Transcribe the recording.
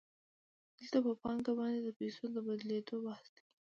دلته په پانګه باندې د پیسو د بدلېدو بحث دی